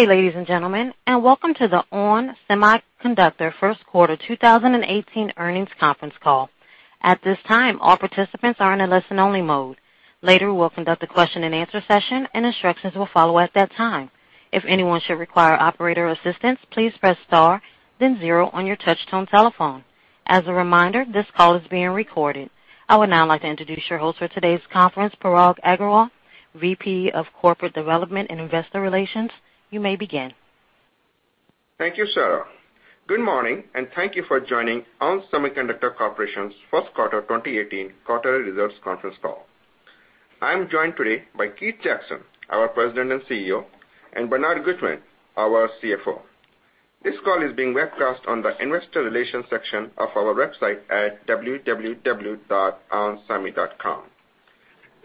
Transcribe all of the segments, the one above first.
Good day, ladies and gentlemen, and welcome to the ON Semiconductor first quarter 2018 earnings conference call. At this time, all participants are in a listen only mode. Later, we'll conduct a question and answer session and instructions will follow at that time. If anyone should require operator assistance, please press star then zero on your touchtone telephone. As a reminder, this call is being recorded. I would now like to introduce your host for today's conference, Parag Agarwal, VP of Corporate Development and Investor Relations. You may begin. Thank you, Sarah. Good morning, and thank you for joining ON Semiconductor Corporation's first quarter 2018 quarterly results conference call. I'm joined today by Keith Jackson, our President and CEO, and Bernard Gutmann, our CFO. This call is being webcast on the investor relations section of our website at www.onsemi.com.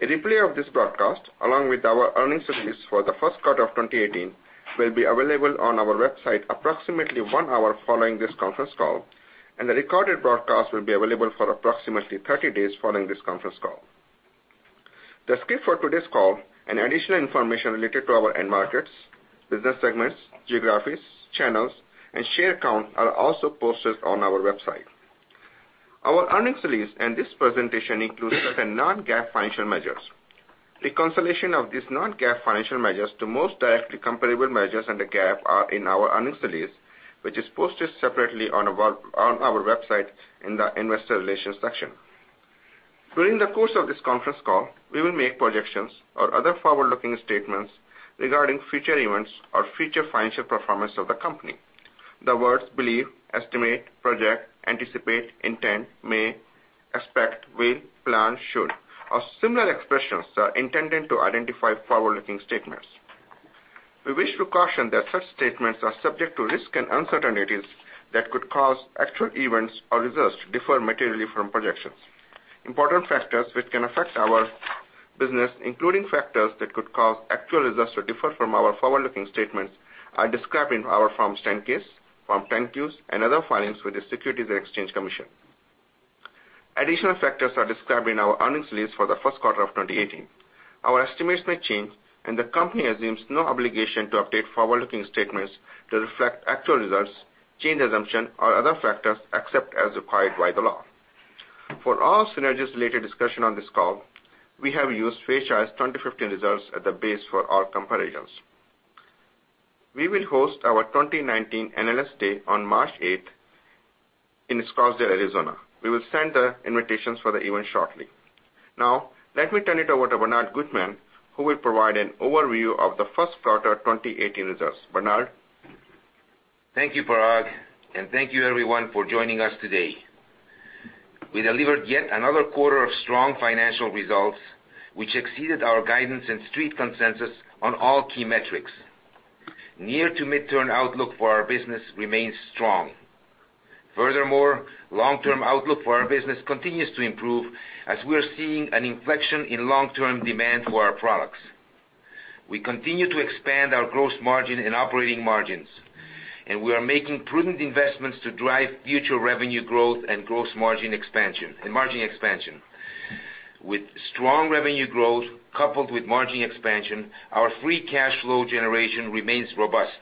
A replay of this broadcast, along with our earnings release for the first quarter of 2018, will be available on our website approximately one hour following this conference call, and the recorded broadcast will be available for approximately 30 days following this conference call. The script for today's call and additional information related to our end markets, business segments, geographies, channels, and share count are also posted on our website. Our earnings release and this presentation include certain non-GAAP financial measures. Reconciliation of these non-GAAP financial measures to most directly comparable measures under GAAP are in our earnings release, which is posted separately on our website in the investor relations section. During the course of this conference call, we will make projections or other forward-looking statements regarding future events or future financial performance of the company. The words believe, estimate, project, anticipate, intend, may, expect, will, plan, should, or similar expressions are intended to identify forward-looking statements. We wish to caution that such statements are subject to risks and uncertainties that could cause actual events or results to differ materially from projections. Important factors which can affect our business, including factors that could cause actual results to differ from our forward-looking statements, are described in our Forms 10-K, Form 10-Qs, and other filings with the Securities and Exchange Commission. Additional factors are described in our earnings release for the first quarter of 2018. Our estimates may change, and the company assumes no obligation to update forward-looking statements to reflect actual results, changed assumption, or other factors, except as required by the law. For all synergies related discussion on this call, we have used fiscal year 2015 results as the base for all comparisons. We will host our 2019 Analyst Day on March 8th in Scottsdale, Arizona. We will send the invitations for the event shortly. Now, let me turn it over to Bernard Gutmann, who will provide an overview of the first quarter 2018 results. Bernard? Thank you, Parag, and thank you everyone for joining us today. We delivered yet another quarter of strong financial results, which exceeded our guidance and Street consensus on all key metrics. Near to midterm outlook for our business remains strong. Furthermore, long-term outlook for our business continues to improve as we are seeing an inflection in long-term demand for our products. We continue to expand our gross margin and operating margins, and we are making prudent investments to drive future revenue growth and margin expansion. With strong revenue growth coupled with margin expansion, our free cash flow generation remains robust.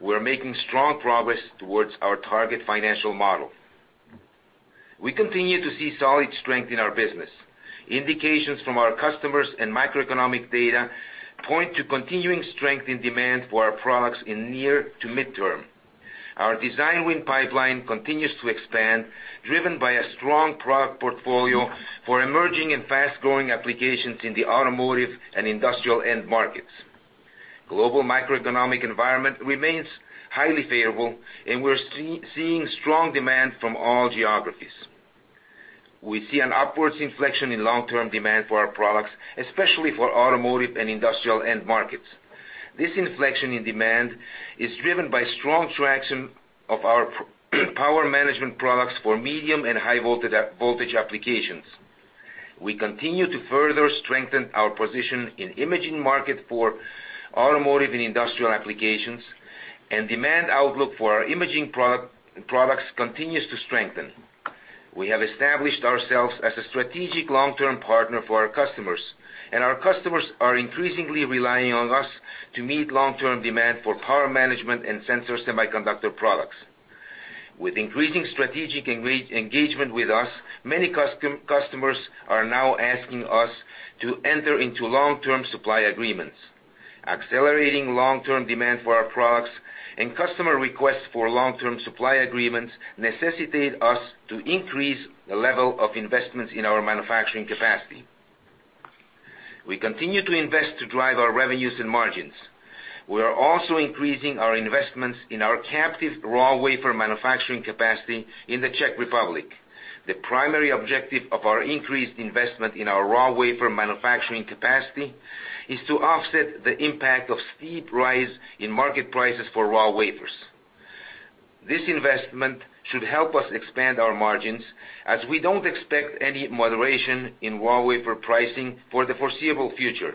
We're making strong progress towards our target financial model. We continue to see solid strength in our business. Indications from our customers and macroeconomic data point to continuing strength in demand for our products in near to midterm. Our design win pipeline continues to expand, driven by a strong product portfolio for emerging and fast-growing applications in the automotive and industrial end markets. Global macroeconomic environment remains highly favorable, and we're seeing strong demand from all geographies. We see an upwards inflection in long-term demand for our products, especially for automotive and industrial end markets. This inflection in demand is driven by strong traction of our power management products for medium and high voltage applications. We continue to further strengthen our position in imaging market for automotive and industrial applications, and demand outlook for our imaging products continues to strengthen. We have established ourselves as a strategic long-term partner for our customers, and our customers are increasingly relying on us to meet long-term demand for power management and sensor semiconductor products. With increasing strategic engagement with us, many customers are now asking us to enter into long-term supply agreements. Accelerating long-term demand for our products and customer requests for long-term supply agreements necessitate us to increase the level of investments in our manufacturing capacity. We continue to invest to drive our revenues and margins. We are also increasing our investments in our captive raw wafer manufacturing capacity in the Czech Republic. The primary objective of our increased investment in our raw wafer manufacturing capacity is to offset the impact of steep rise in market prices for raw wafers. This investment should help us expand our margins, as we don't expect any moderation in raw wafer pricing for the foreseeable future.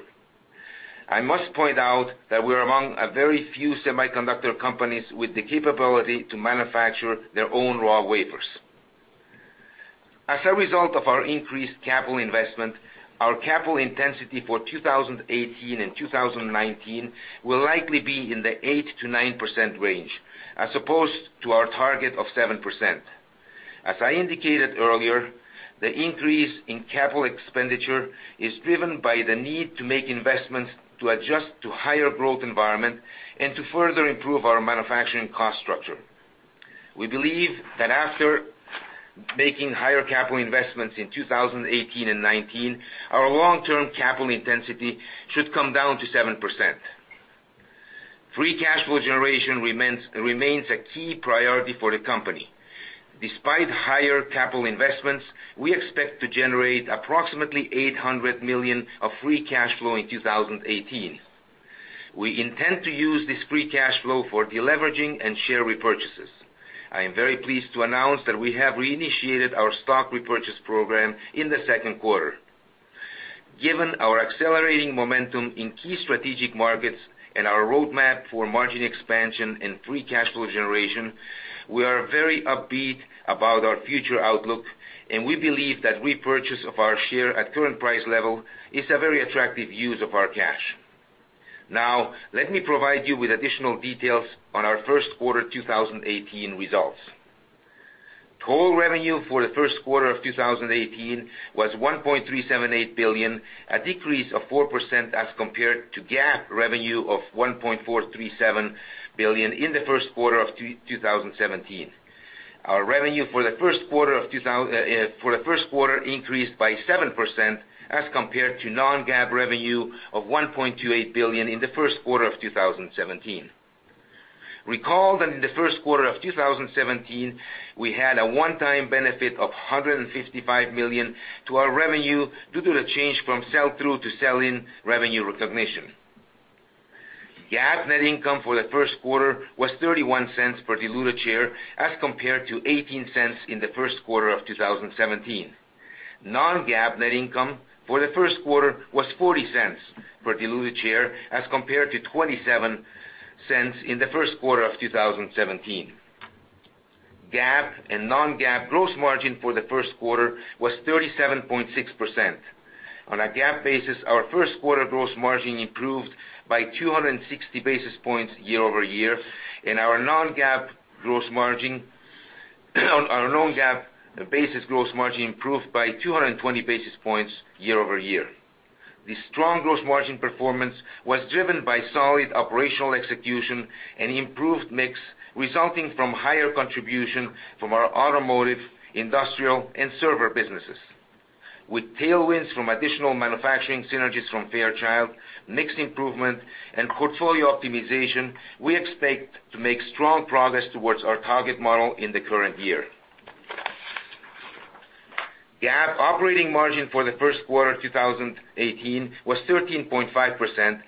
I must point out that we're among a very few semiconductor companies with the capability to manufacture their own raw wafers. As a result of our increased capital investment, our capital intensity for 2018 and 2019 will likely be in the 8%-9% range, as opposed to our target of 7%. As I indicated earlier, the increase in capital expenditure is driven by the need to make investments to adjust to higher growth environment and to further improve our manufacturing cost structure. We believe that after making higher capital investments in 2018 and 2019, our long-term capital intensity should come down to 7%. Free cash flow generation remains a key priority for the company. Despite higher capital investments, we expect to generate approximately $800 million of free cash flow in 2018. We intend to use this free cash flow for deleveraging and share repurchases. I am very pleased to announce that we have reinitiated our stock repurchase program in the second quarter. Given our accelerating momentum in key strategic markets and our roadmap for margin expansion and free cash flow generation, we are very upbeat about our future outlook. We believe that repurchase of our share at current price level is a very attractive use of our cash. Let me provide you with additional details on our first quarter 2018 results. Total revenue for the first quarter of 2018 was $1.378 billion, a decrease of 4% as compared to GAAP revenue of $1.437 billion in the first quarter of 2017. Our revenue for the first quarter increased by 7% as compared to non-GAAP revenue of $1.28 billion in the first quarter of 2017. Recall that in the first quarter of 2017, we had a one-time benefit of $155 million to our revenue due to the change from sell-through to sell-in revenue recognition. GAAP net income for the first quarter was $0.31 per diluted share as compared to $0.18 in the first quarter of 2017. Non-GAAP net income for the first quarter was $0.40 per diluted share as compared to $0.27 in the first quarter of 2017. GAAP and non-GAAP gross margin for the first quarter was 37.6%. On a GAAP basis, our first quarter gross margin improved by 260 basis points year-over-year. Our non-GAAP basis gross margin improved by 220 basis points year-over-year. The strong gross margin performance was driven by solid operational execution and improved mix, resulting from higher contribution from our automotive, industrial, and server businesses. With tailwinds from additional manufacturing synergies from Fairchild, mix improvement and portfolio optimization, we expect to make strong progress towards our target model in the current year. GAAP operating margin for the first quarter 2018 was 13.5%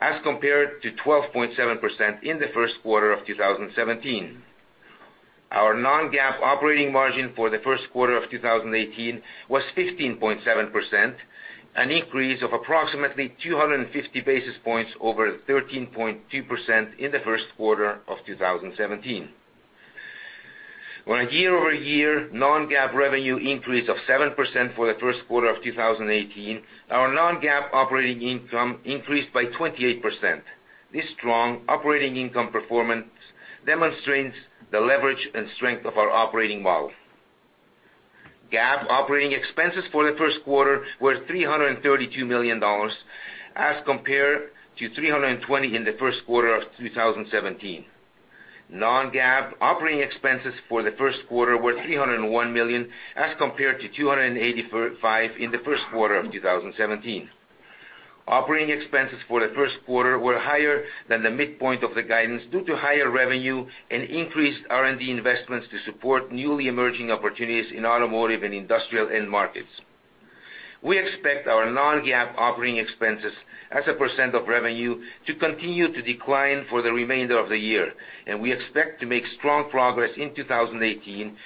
as compared to 12.7% in the first quarter of 2017. Our non-GAAP operating margin for the first quarter of 2018 was 15.7%, an increase of approximately 250 basis points over 13.2% in the first quarter of 2017. On a year-over-year non-GAAP revenue increase of 7% for the first quarter of 2018, our non-GAAP operating income increased by 28%. This strong operating income performance demonstrates the leverage and strength of our operating model. GAAP operating expenses for the first quarter were $332 million as compared to $320 million in the first quarter of 2017. Non-GAAP operating expenses for the first quarter were $301 million as compared to $285 million in the first quarter of 2017. Operating expenses for the first quarter were higher than the midpoint of the guidance due to higher revenue and increased R&D investments to support newly emerging opportunities in automotive and industrial end markets. We expect our non-GAAP operating expenses as a percent of revenue to continue to decline for the remainder of the year. We expect to make strong progress in 2018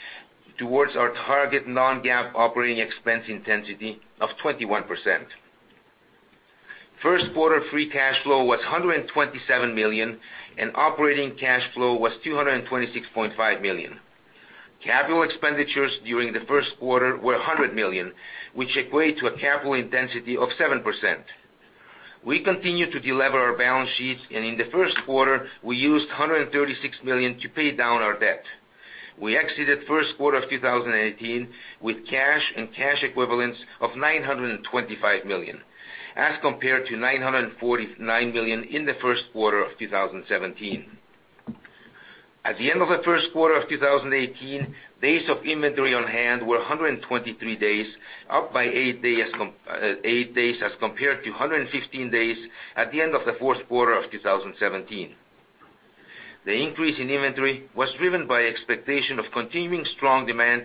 towards our target non-GAAP operating expense intensity of 21%. First quarter free cash flow was $127 million. Operating cash flow was $226.5 million. Capital expenditures during the first quarter were $100 million, which equate to a capital intensity of 7%. We continue to delever our balance sheets. In the first quarter, we used $136 million to pay down our debt. We exited first quarter of 2018 with cash and cash equivalents of $925 million as compared to $949 million in the first quarter of 2017. At the end of the first quarter of 2018, days of inventory on hand were 123 days, up by eight days as compared to 115 days at the end of the fourth quarter of 2017. The increase in inventory was driven by expectation of continuing strong demand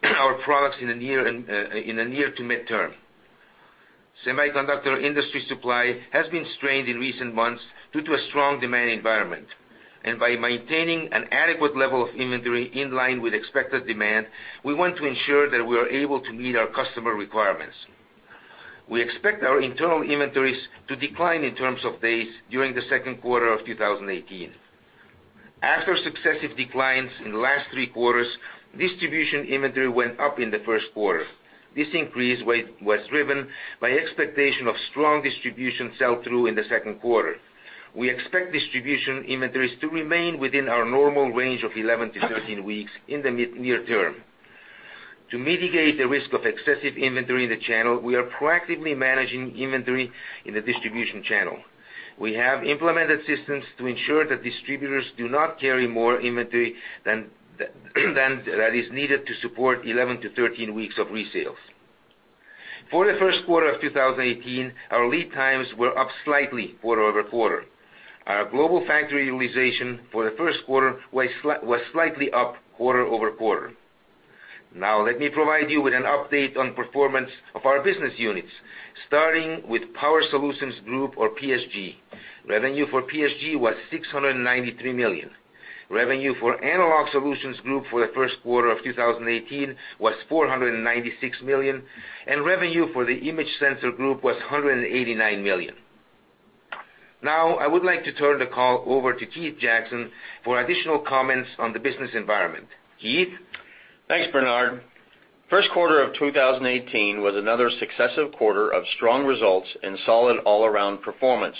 for our products in the near to midterm. Semiconductor industry supply has been strained in recent months due to a strong demand environment. By maintaining an adequate level of inventory in line with expected demand, we want to ensure that we are able to meet our customer requirements. We expect our internal inventories to decline in terms of days during the second quarter of 2018. After successive declines in the last three quarters, distribution inventory went up in the first quarter. This increase was driven by expectation of strong distribution sell-through in the second quarter. We expect distribution inventories to remain within our normal range of 11 to 13 weeks in the near term. To mitigate the risk of excessive inventory in the channel, we are proactively managing inventory in the distribution channel. We have implemented systems to ensure that distributors do not carry more inventory than that is needed to support 11 to 13 weeks of resales. For the first quarter of 2018, our lead times were up slightly quarter-over-quarter. Our global factory utilization for the first quarter was slightly up quarter-over-quarter. Now let me provide you with an update on performance of our business units, starting with Power Solutions Group or PSG. Revenue for PSG was $693 million. Revenue for Analog Solutions Group for the first quarter of 2018 was $496 million, and revenue for the Image Sensor Group was $189 million. Now, I would like to turn the call over to Keith Jackson for additional comments on the business environment. Keith? Thanks, Bernard. First quarter of 2018 was another successive quarter of strong results and solid all-around performance.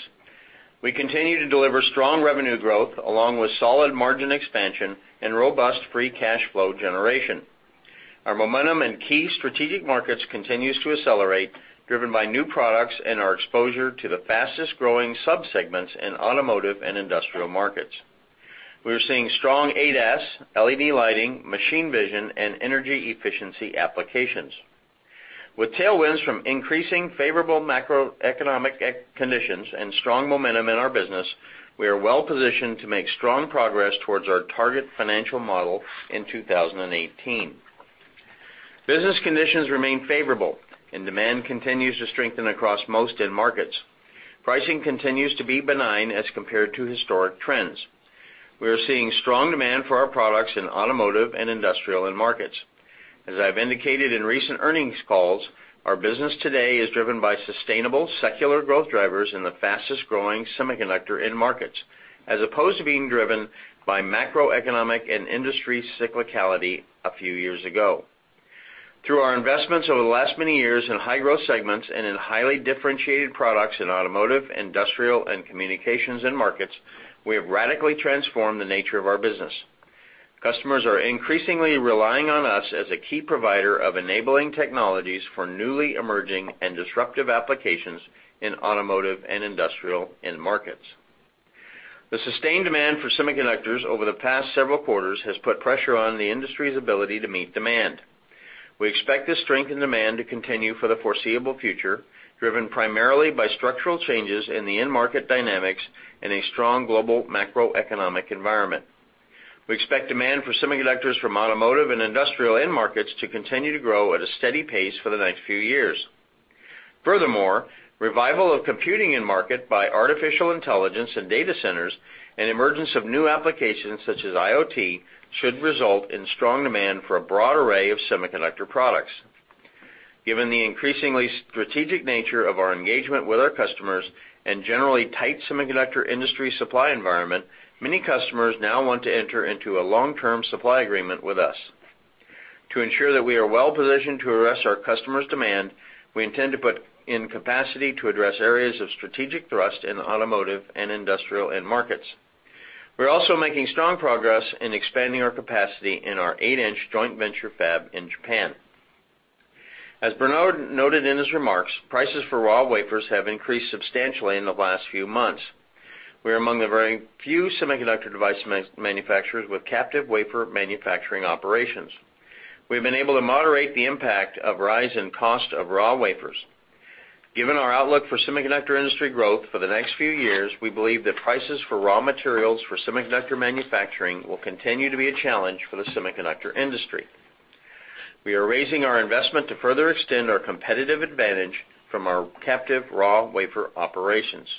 We continue to deliver strong revenue growth, along with solid margin expansion and robust free cash flow generation. Our momentum in key strategic markets continues to accelerate, driven by new products and our exposure to the fastest-growing subsegments in automotive and industrial markets. We are seeing strong ADAS, LED lighting, machine vision, and energy efficiency applications. With tailwinds from increasing favorable macroeconomic conditions and strong momentum in our business, we are well positioned to make strong progress towards our target financial model in 2018. Business conditions remain favorable, and demand continues to strengthen across most end markets. Pricing continues to be benign as compared to historic trends. We are seeing strong demand for our products in automotive and industrial end markets. As I've indicated in recent earnings calls, our business today is driven by sustainable, secular growth drivers in the fastest-growing semiconductor end markets, as opposed to being driven by macroeconomic and industry cyclicality a few years ago. Through our investments over the last many years in high-growth segments and in highly differentiated products in automotive, industrial, and communications end markets, we have radically transformed the nature of our business. Customers are increasingly relying on us as a key provider of enabling technologies for newly emerging and disruptive applications in automotive and industrial end markets. The sustained demand for semiconductors over the past several quarters has put pressure on the industry's ability to meet demand. We expect this strengthened demand to continue for the foreseeable future, driven primarily by structural changes in the end-market dynamics and a strong global macroeconomic environment. We expect demand for semiconductors from automotive and industrial end markets to continue to grow at a steady pace for the next few years. Furthermore, revival of computing end market by Artificial Intelligence and data centers and emergence of new applications such as IoT should result in strong demand for a broad array of semiconductor products. Given the increasingly strategic nature of our engagement with our customers and generally tight semiconductor industry supply environment, many customers now want to enter into a long-term supply agreement with us. To ensure that we are well positioned to address our customers' demand, we intend to put in capacity to address areas of strategic thrust in automotive and industrial end markets. We're also making strong progress in expanding our capacity in our eight-inch joint venture fab in Japan. As Bernard noted in his remarks, prices for raw wafers have increased substantially in the last few months. We are among the very few semiconductor device manufacturers with captive wafer manufacturing operations. We've been able to moderate the impact of rise in cost of raw wafers. Given our outlook for semiconductor industry growth for the next few years, we believe that prices for raw materials for semiconductor manufacturing will continue to be a challenge for the semiconductor industry. We are raising our investment to further extend our competitive advantage from our captive raw wafer operations.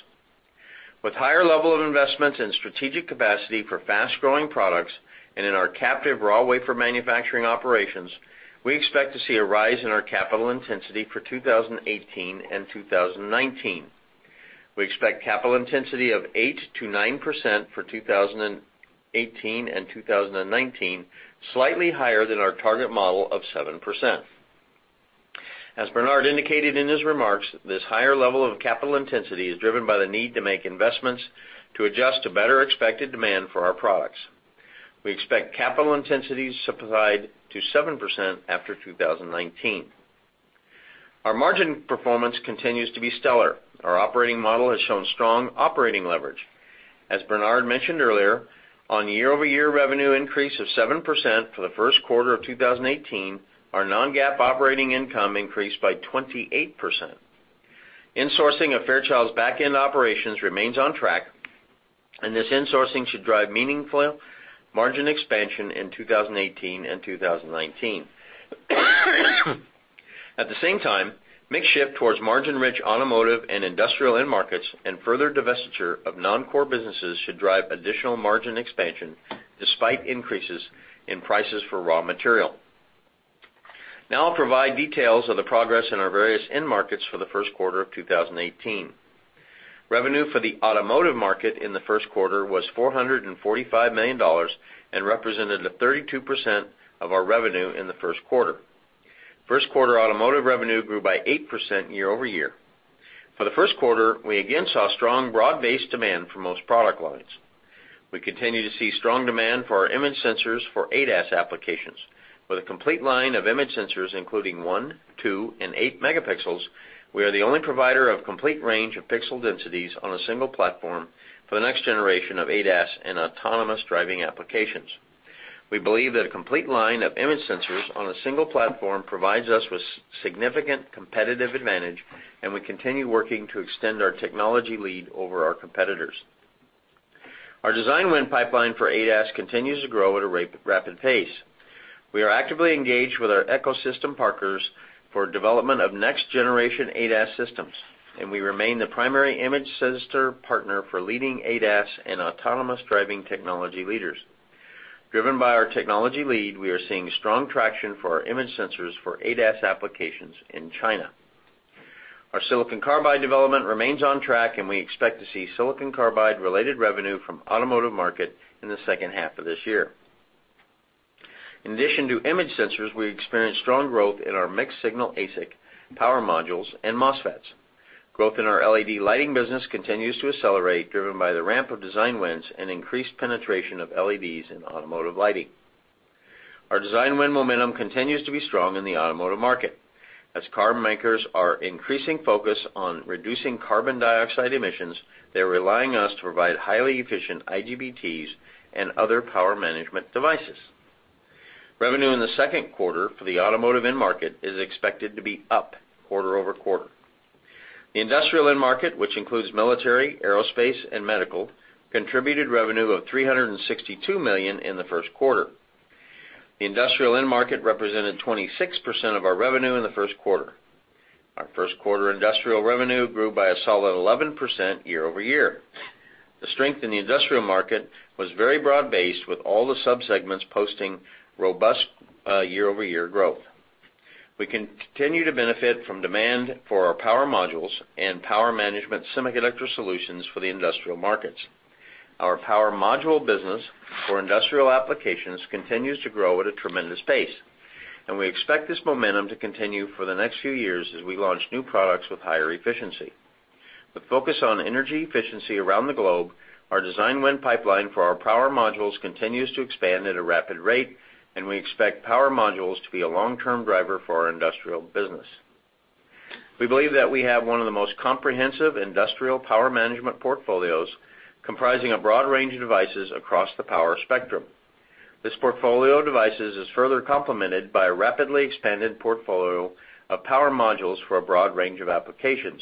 With higher level of investments in strategic capacity for fast-growing products and in our captive raw wafer manufacturing operations, we expect to see a rise in our capital intensity for 2018 and 2019. We expect capital intensity of 8%-9% for 2018 and 2019, slightly higher than our target model of 7%. As Bernard indicated in his remarks, this higher level of capital intensity is driven by the need to make investments to adjust to better expected demand for our products. We expect capital intensity to subside to 7% after 2019. Our margin performance continues to be stellar. Our operating model has shown strong operating leverage. As Bernard mentioned earlier, on year-over-year revenue increase of 7% for the first quarter of 2018, our non-GAAP operating income increased by 28%. Insourcing of Fairchild's back-end operations remains on track, and this insourcing should drive meaningful margin expansion in 2018 and 2019. At the same time, mix shift towards margin-rich automotive and industrial end markets and further divestiture of non-core businesses should drive additional margin expansion, despite increases in prices for raw material. Now I'll provide details of the progress in our various end markets for the first quarter of 2018. Revenue for the automotive market in the first quarter was $445 million and represented 32% of our revenue in the first quarter. First quarter automotive revenue grew by 8% year-over-year. For the first quarter, we again saw strong, broad-based demand for most product lines. We continue to see strong demand for our image sensors for ADAS applications. With a complete line of image sensors including one, two, and eight megapixels, we are the only provider of complete range of pixel densities on a single platform for the next generation of ADAS and autonomous driving applications. We believe that a complete line of image sensors on a single platform provides us with significant competitive advantage, and we continue working to extend our technology lead over our competitors. Our design win pipeline for ADAS continues to grow at a rapid pace. We are actively engaged with our ecosystem partners for development of next generation ADAS systems. We remain the primary image sensor partner for leading ADAS and autonomous driving technology leaders. Driven by our technology lead, we are seeing strong traction for our image sensors for ADAS applications in China. Our silicon carbide development remains on track. We expect to see silicon carbide related revenue from automotive market in the second half of this year. In addition to image sensors, we experienced strong growth in our mixed signal ASIC power modules and MOSFETs. Growth in our LED lighting business continues to accelerate, driven by the ramp of design wins and increased penetration of LEDs in automotive lighting. Our design win momentum continues to be strong in the automotive market. As car makers are increasing focus on reducing carbon dioxide emissions, they're relying us to provide highly efficient IGBTs and other power management devices. Revenue in the second quarter for the automotive end market is expected to be up quarter-over-quarter. The industrial end market, which includes military, aerospace, and medical, contributed revenue of $362 million in the first quarter. The industrial end market represented 26% of our revenue in the first quarter. Our first quarter industrial revenue grew by a solid 11% year-over-year. The strength in the industrial market was very broad-based, with all the sub-segments posting robust year-over-year growth. We continue to benefit from demand for our power modules and power management semiconductor solutions for the industrial markets. Our power module business for industrial applications continues to grow at a tremendous pace. We expect this momentum to continue for the next few years as we launch new products with higher efficiency. The focus on energy efficiency around the globe, our design win pipeline for our power modules continues to expand at a rapid rate. We expect power modules to be a long-term driver for our industrial business. We believe that we have one of the most comprehensive industrial power management portfolios comprising a broad range of devices across the power spectrum. This portfolio of devices is further complemented by a rapidly expanded portfolio of power modules for a broad range of applications,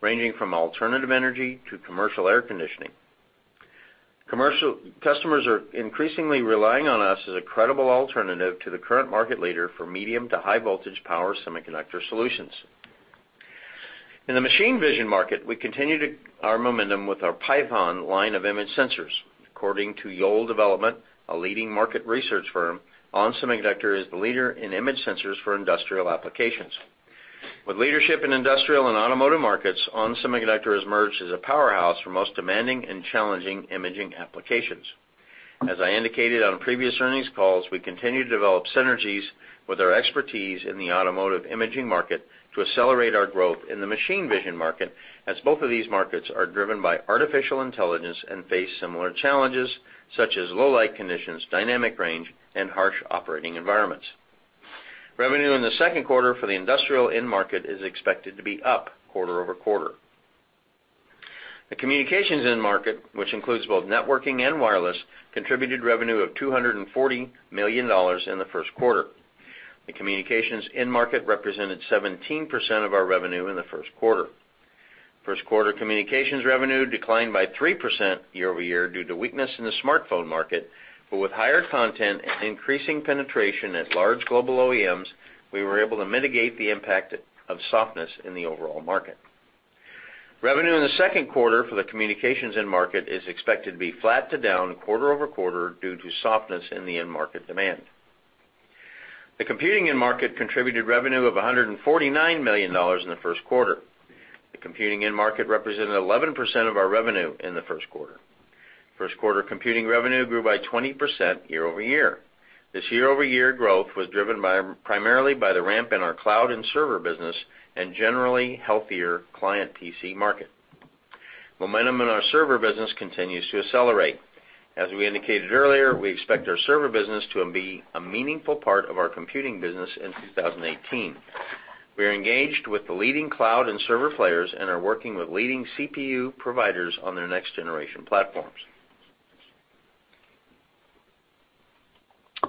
ranging from alternative energy to commercial air conditioning. Customers are increasingly relying on us as a credible alternative to the current market leader for medium to high voltage power semiconductor solutions. In the machine vision market, we continue our momentum with our PYTHON line of image sensors. According to Yole Développement, a leading market research firm, ON Semiconductor is the leader in image sensors for industrial applications. With leadership in industrial and automotive markets, ON Semiconductor has emerged as a powerhouse for most demanding and challenging imaging applications. As I indicated on previous earnings calls, we continue to develop synergies with our expertise in the automotive imaging market to accelerate our growth in the machine vision market, as both of these markets are driven by artificial intelligence and face similar challenges, such as low light conditions, dynamic range, and harsh operating environments. Revenue in the second quarter for the industrial end market is expected to be up quarter-over-quarter. The communications end market, which includes both networking and wireless, contributed revenue of $240 million in the first quarter. The communications end market represented 17% of our revenue in the first quarter. First quarter communications revenue declined by 3% year-over-year due to weakness in the smartphone market. With higher content and increasing penetration at large global OEMs, we were able to mitigate the impact of softness in the overall market. Revenue in the second quarter for the communications end market is expected to be flat to down quarter-over-quarter due to softness in the end market demand. The computing end market contributed revenue of $149 million in the first quarter. The computing end market represented 11% of our revenue in the first quarter. First quarter computing revenue grew by 20% year-over-year. This year-over-year growth was driven primarily by the ramp in our cloud and server business and generally healthier client PC market. Momentum in our server business continues to accelerate. As we indicated earlier, we expect our server business to be a meaningful part of our computing business in 2018. We are engaged with the leading cloud and server players and are working with leading CPU providers on their next generation platforms.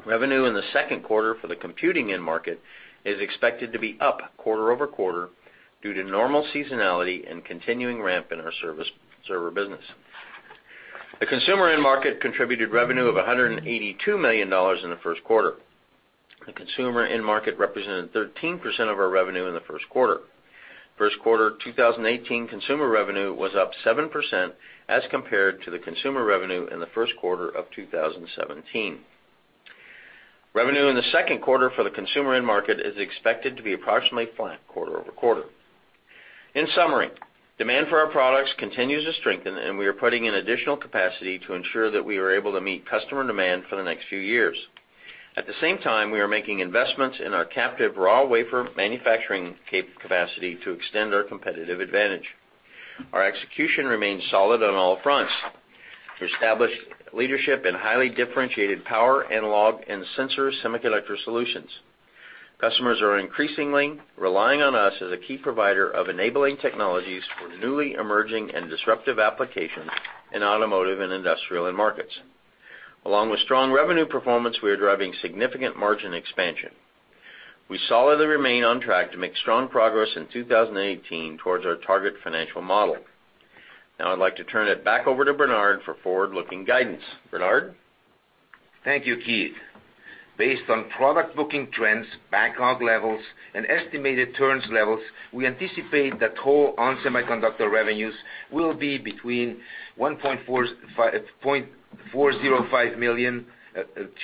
Revenue in the second quarter for the computing end market is expected to be up quarter-over-quarter due to normal seasonality and continuing ramp in our server business. The consumer end market contributed revenue of $182 million in the first quarter. The consumer end market represented 13% of our revenue in the first quarter. First quarter 2018 consumer revenue was up 7% as compared to the consumer revenue in the first quarter of 2017. Revenue in the second quarter for the consumer end market is expected to be approximately flat quarter-over-quarter. In summary, demand for our products continues to strengthen, and we are putting in additional capacity to ensure that we are able to meet customer demand for the next few years. At the same time, we are making investments in our captive raw wafer manufacturing capacity to extend our competitive advantage. Our execution remains solid on all fronts to establish leadership in highly differentiated power analog and sensor semiconductor solutions. Customers are increasingly relying on us as a key provider of enabling technologies for newly emerging and disruptive applications in automotive and industrial end markets. Along with strong revenue performance, we are driving significant margin expansion. We solidly remain on track to make strong progress in 2018 towards our target financial model. Now I'd like to turn it back over to Bernard for forward-looking guidance. Bernard? Thank you, Keith. Based on product booking trends, backlog levels, and estimated turns levels, we anticipate that total ON Semiconductor revenues will be between $1.405 billion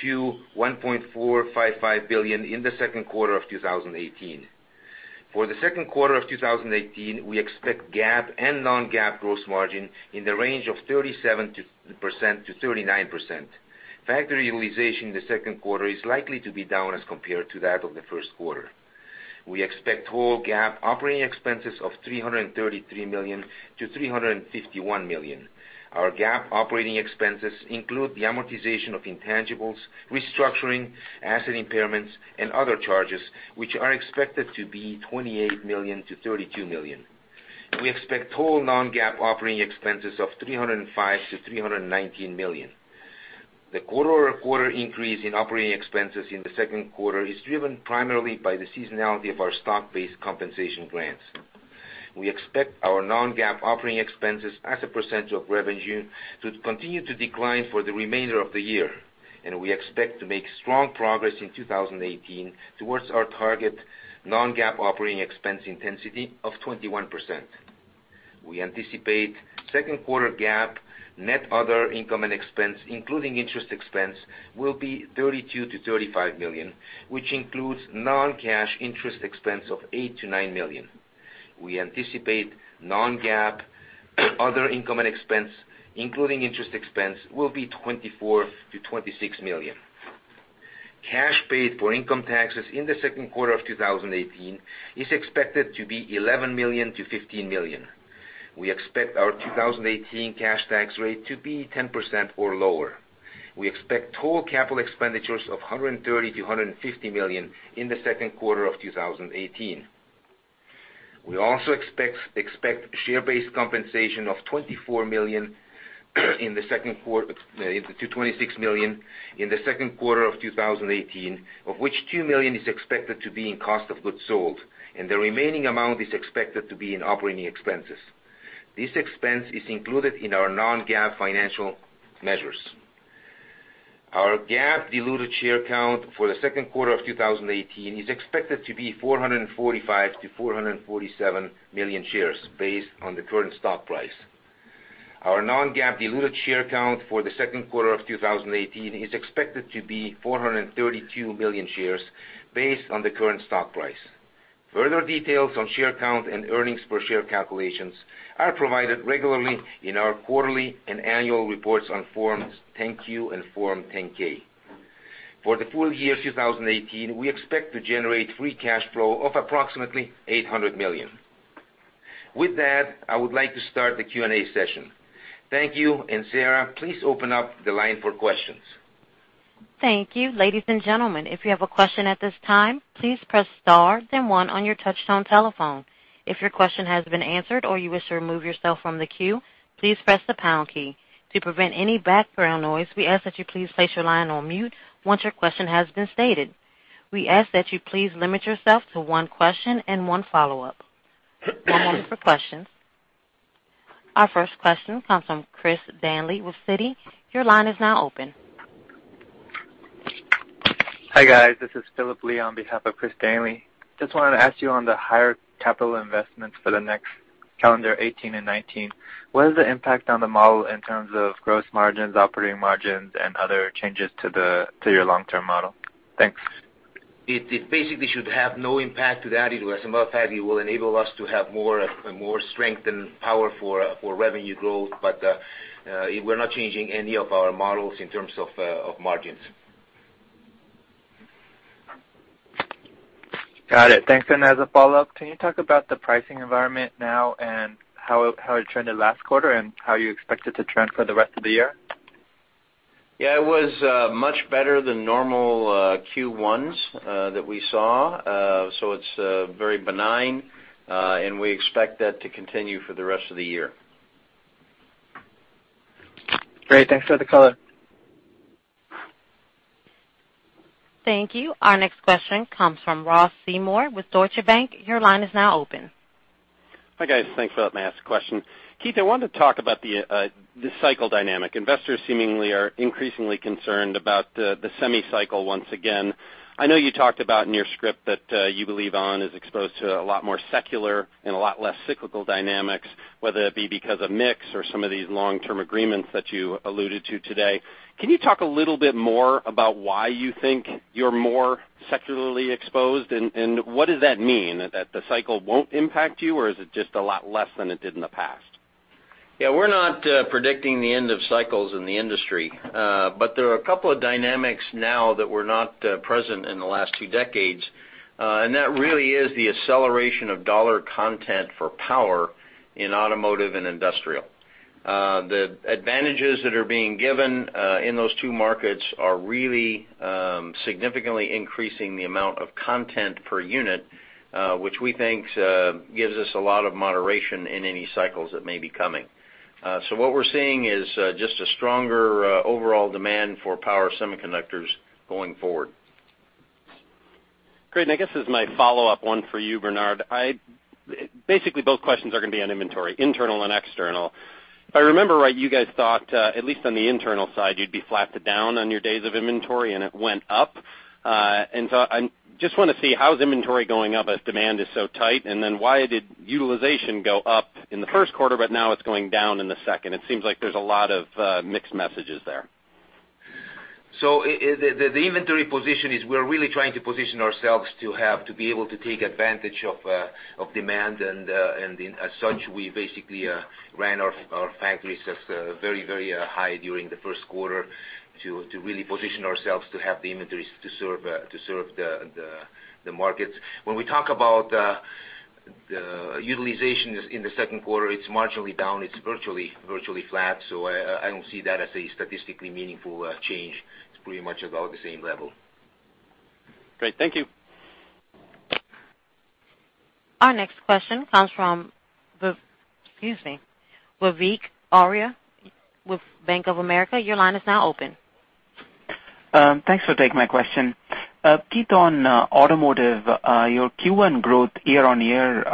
to $1.455 billion in the second quarter of 2018. For the second quarter of 2018, we expect GAAP and non-GAAP gross margin in the range of 37%-39%. Factory utilization in the second quarter is likely to be down as compared to that of the first quarter. We expect total GAAP operating expenses of $333 million-$351 million. Our GAAP operating expenses include the amortization of intangibles, restructuring, asset impairments, and other charges, which are expected to be $28 million-$32 million. We expect total non-GAAP operating expenses of $305 million-$319 million. The quarter-over-quarter increase in operating expenses in the second quarter is driven primarily by the seasonality of our stock-based compensation grants. We expect our non-GAAP operating expenses as a percentage of revenue to continue to decline for the remainder of the year, and we expect to make strong progress in 2018 towards our target non-GAAP operating expense intensity of 21%. We anticipate second quarter GAAP net other income and expense, including interest expense, will be $32 million-$35 million, which includes non-cash interest expense of $8 million-$9 million. We anticipate non-GAAP other income and expense, including interest expense, will be $24 million-$26 million. Cash paid for income taxes in the second quarter of 2018 is expected to be $11 million-$15 million. We expect our 2018 cash tax rate to be 10% or lower. We expect total capital expenditures of $130 million-$150 million in the second quarter of 2018. We also expect share-based compensation of $24 million-$26 million in the second quarter of 2018, of which $2 million is expected to be in cost of goods sold, and the remaining amount is expected to be in operating expenses. This expense is included in our non-GAAP financial measures. Our GAAP diluted share count for the second quarter of 2018 is expected to be 445 million-447 million shares based on the current stock price. Our non-GAAP diluted share count for the second quarter of 2018 is expected to be 432 million shares based on the current stock price. Further details on share count and earnings per share calculations are provided regularly in our quarterly and annual reports on Forms 10-Q and Form 10-K. For the full year 2018, we expect to generate free cash flow of approximately $800 million. With that, I would like to start the Q&A session. Thank you. Sarah, please open up the line for questions. Thank you. Ladies and gentlemen, if you have a question at this time, please press star then one on your touchtone telephone. If your question has been answered or you wish to remove yourself from the queue, please press the pound key. To prevent any background noise, we ask that you please place your line on mute once your question has been stated. We ask that you please limit yourself to one question and one follow-up. One moment for questions. Our first question comes from Chris Danely with Citi. Your line is now open. Hi, guys. This is Philip Lee on behalf of Chris Danely. Just wanted to ask you on the higher capital investments for the next calendar 2018 and 2019, what is the impact on the model in terms of gross margins, operating margins, and other changes to your long-term model? Thanks. It basically should have no impact to that. As a matter of fact, it will enable us to have more strength and power for revenue growth, we're not changing any of our models in terms of margins. Got it. Thanks. As a follow-up, can you talk about the pricing environment now and how it trended last quarter and how you expect it to trend for the rest of the year? Yeah, it was much better than normal Q1s that we saw. It's very benign, and we expect that to continue for the rest of the year. Great. Thanks for the color. Thank you. Our next question comes from Ross Seymore with Deutsche Bank. Your line is now open. Hi guys. Thanks for letting me ask a question. Keith, I wanted to talk about the cycle dynamic. Investors seemingly are increasingly concerned about the semi cycle once again. I know you talked about in your script that you believe ON is exposed to a lot more secular and a lot less cyclical dynamics, whether it be because of mix or some of these long-term agreements that you alluded to today. Can you talk a little bit more about why you think you're more secularly exposed, and what does that mean? That the cycle won't impact you, or is it just a lot less than it did in the past? Yeah. We're not predicting the end of cycles in the industry. There are a couple of dynamics now that were not present in the last two decades, and that really is the acceleration of dollar content for power in automotive and industrial. The advantages that are being given in those two markets are really significantly increasing the amount of content per unit, which we think gives us a lot of moderation in any cycles that may be coming. What we're seeing is just a stronger overall demand for power semiconductors going forward. Great. I guess this is my follow-up one for you, Bernard. Basically, both questions are going to be on inventory, internal and external. If I remember right, you guys thought, at least on the internal side, you'd be flat to down on your days of inventory, and it went up. I just want to see how is inventory going up as demand is so tight, and then why did utilization go up in the first quarter, but now it's going down in the second? It seems like there's a lot of mixed messages there. The inventory position is we're really trying to position ourselves to have to be able to take advantage of demand, and as such, we basically ran our factories at very high during the first quarter to really position ourselves to have the inventories to serve the markets. When we talk about the utilization in the second quarter, it's marginally down. It's virtually flat. I don't see that as a statistically meaningful change. It's pretty much about the same level. Great. Thank you. Our next question comes from, excuse me, Vivek Arya with Bank of America. Your line is now open. Thanks for taking my question. Keith, on automotive, your Q1 growth year-over-year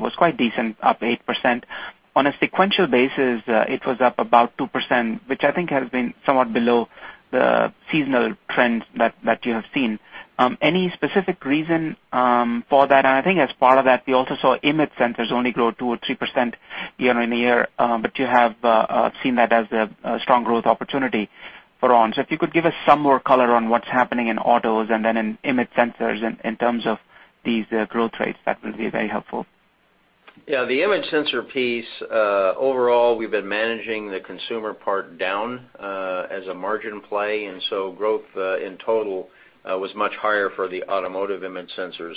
was quite decent, up 8%. On a sequential basis, it was up about 2%, which I think has been somewhat below the seasonal trends that you have seen. Any specific reason for that? I think as part of that, we also saw image sensors only grow 2% or 3% year-over-year, but you have seen that as a strong growth opportunity for ON. If you could give us some more color on what's happening in autos and then in image sensors in terms of these growth rates, that will be very helpful. Yeah. The image sensor piece, overall, we've been managing the consumer part down as a margin play. Growth in total was much higher for the automotive image sensors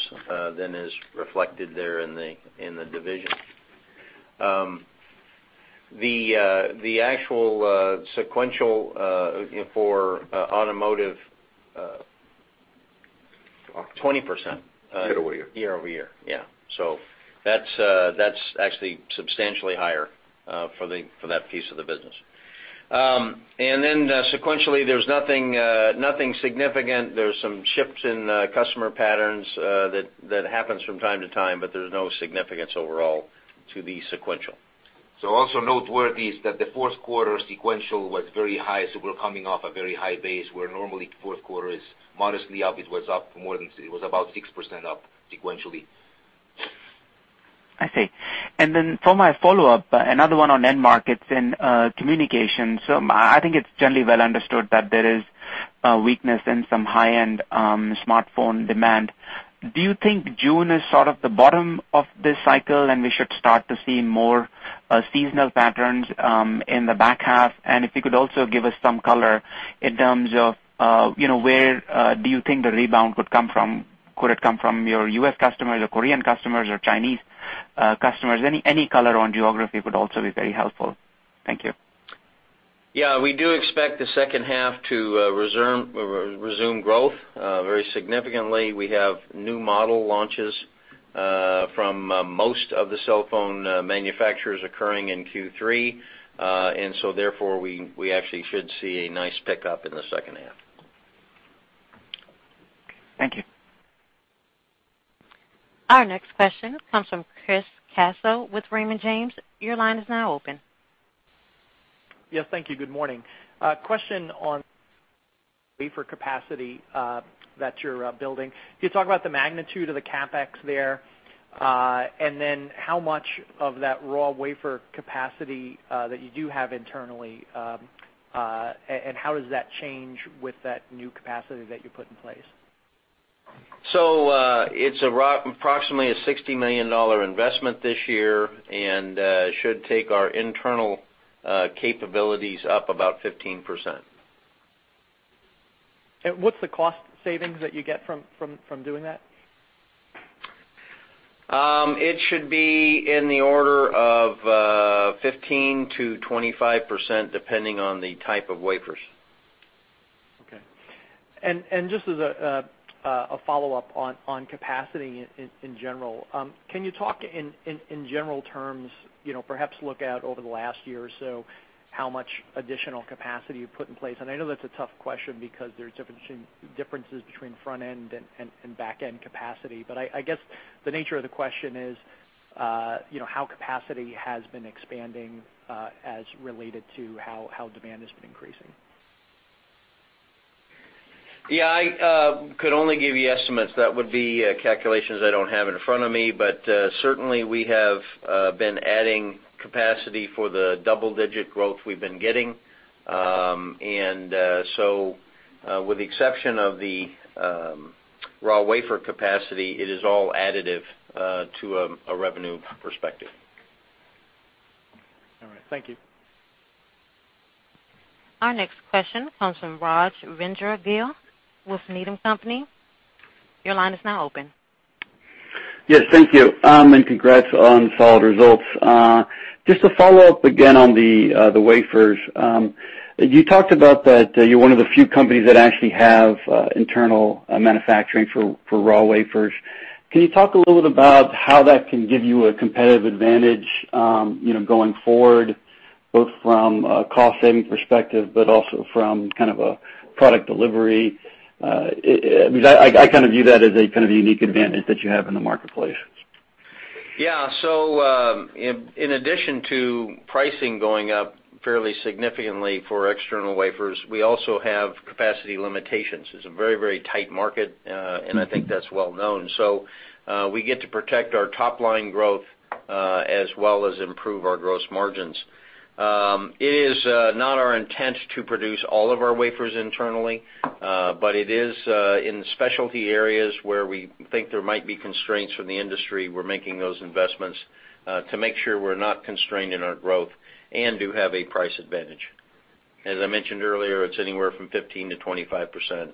than is reflected there in the division. The actual sequential for automotive, 20%- Year over year. Year over year. Yeah. That's actually substantially higher for that piece of the business. Sequentially, there's nothing significant. There's some shifts in customer patterns that happens from time to time, but there's no significance overall to the sequential. Also noteworthy is that the fourth quarter sequential was very high, so we're coming off a very high base where normally fourth quarter is modestly up. It was about 6% up sequentially. I see. For my follow-up, another one on end markets and communication. I think it's generally well understood that there is a weakness in some high-end smartphone demand. Do you think June is sort of the bottom of this cycle, and we should start to see more seasonal patterns in the back half? If you could also give us some color in terms of where do you think the rebound could come from. Could it come from your U.S. customers or Korean customers or Chinese customers? Any color on geography would also be very helpful. Thank you. We do expect the second half to resume growth very significantly. We have new model launches from most of the cell phone manufacturers occurring in Q3. Therefore, we actually should see a nice pickup in the second half. Thank you. Our next question comes from Chris Caso with Raymond James. Your line is now open. Yes, thank you. Good morning. A question on wafer capacity that you're building. Can you talk about the magnitude of the CapEx there, and then how much of that raw wafer capacity that you do have internally, and how does that change with that new capacity that you put in place? It's approximately a $60 million investment this year and should take our internal capabilities up about 15%. What's the cost savings that you get from doing that? It should be in the order of 15%-25%, depending on the type of wafers. Okay. Just as a follow-up on capacity in general. Can you talk in general terms, perhaps look out over the last year or so, how much additional capacity you've put in place? I know that's a tough question because there's differences between front-end and back-end capacity. I guess the nature of the question is how capacity has been expanding as related to how demand has been increasing. Yeah. I could only give you estimates. That would be calculations I don't have in front of me, but certainly we have been adding capacity for the double-digit growth we've been getting. With the exception of the raw wafer capacity, it is all additive to a revenue perspective. All right. Thank you. Our next question comes from Rajvindra Gill, Needham & Company. Your line is now open. Yes, thank you. Congrats on solid results. Just to follow up again on the wafers. You talked about that you're one of the few companies that actually have internal manufacturing for raw wafers. Can you talk a little bit about how that can give you a competitive advantage going forward, both from a cost-saving perspective, but also from a product delivery? I view that as a kind of unique advantage that you have in the marketplace. Yeah. In addition to pricing going up fairly significantly for external wafers, we also have capacity limitations. It's a very tight market, and I think that's well known. We get to protect our top-line growth, as well as improve our gross margins. It is not our intent to produce all of our wafers internally, but it is in specialty areas where we think there might be constraints from the industry, we're making those investments, to make sure we're not constrained in our growth and do have a price advantage. As I mentioned earlier, it's anywhere from 15%-25%,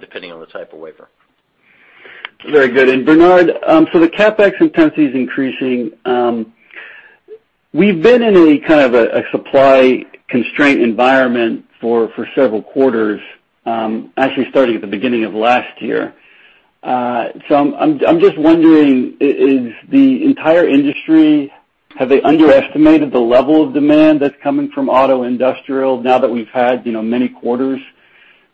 depending on the type of wafer. Very good. Bernard, the CapEx intensity is increasing. We've been in a kind of a supply constraint environment for several quarters, actually starting at the beginning of last year. I'm just wondering, is the entire industry, have they underestimated the level of demand that's coming from auto industrial now that we've had many quarters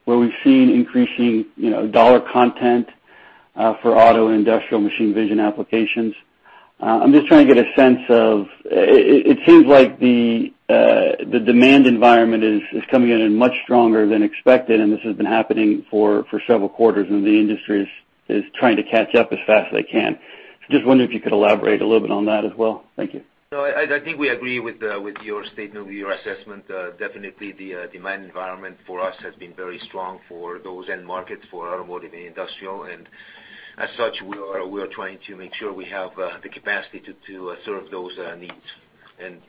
where we've seen increasing dollar content for auto industrial machine vision applications? I'm just trying to get a sense of, it seems like the demand environment is coming in much stronger than expected, and this has been happening for several quarters, and the industry is trying to catch up as fast as they can. Just wondering if you could elaborate a little bit on that as well. Thank you. No, I think we agree with your statement, with your assessment. Definitely the demand environment for us has been very strong for those end markets, for automotive and industrial, and as such, we are trying to make sure we have the capacity to serve those needs.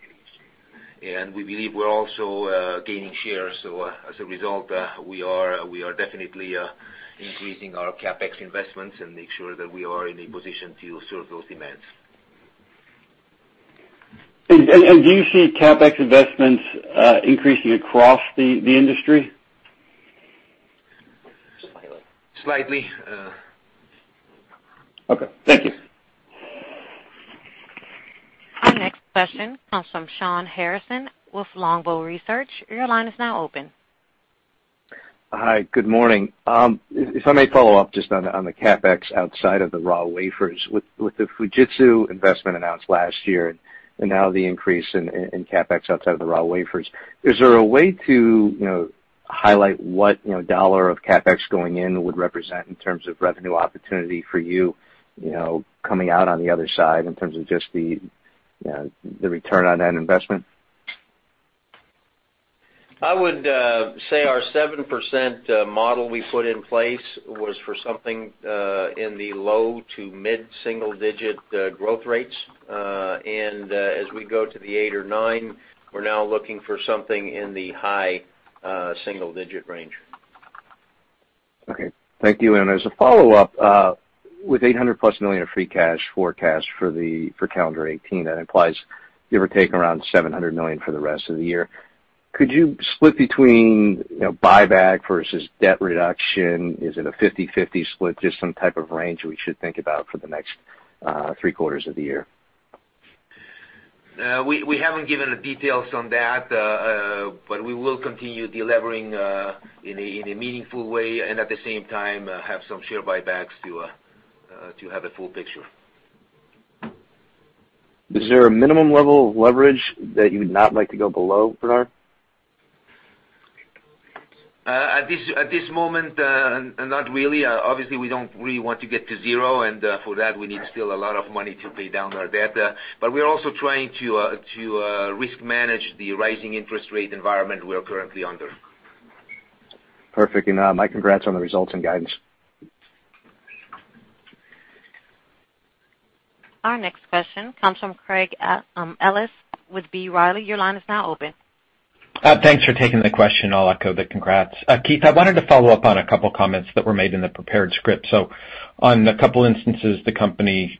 We believe we're also gaining share. As a result, we are definitely increasing our CapEx investments and make sure that we are in a position to serve those demands. Do you see CapEx investments increasing across the industry? Slightly. Okay. Thank you. Our next question comes from Shawn Harrison with Longbow Research. Your line is now open. Hi. Good morning. If I may follow up just on the CapEx outside of the raw wafers. With the Fujitsu investment announced last year and now the increase in CapEx outside of the raw wafers, is there a way to highlight what dollar of CapEx going in would represent in terms of revenue opportunity for you, coming out on the other side in terms of just the return on that investment? I would say our 7% model we put in place was for something in the low to mid-single-digit growth rates. As we go to the eight or nine, we're now looking for something in the high single-digit range. Okay. Thank you. As a follow-up, with $800+ million of free cash forecast for calendar 2018, that implies give or take around $700 million for the rest of the year. Could you split between buyback versus debt reduction? Is it a 50/50 split? Just some type of range that we should think about for the next three quarters of the year. We haven't given the details on that. We will continue delevering in a meaningful way, and at the same time, have some share buybacks to have a full picture. Is there a minimum level of leverage that you would not like to go below, Bernard? At this moment, not really. Obviously, we don't really want to get to zero, and for that, we need still a lot of money to pay down our debt. We're also trying to risk manage the rising interest rate environment we're currently under. Perfect. My congrats on the results and guidance. Our next question comes from Craig Ellis with B. Riley. Your line is now open. Thanks for taking the question. I'll echo the congrats. Keith, I wanted to follow up on a couple of comments that were made in the prepared script. On a couple instances, the company